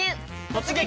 「突撃！